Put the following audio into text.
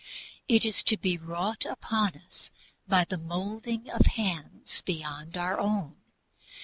It is to be wrought upon us by the moulding of hands beyond our own.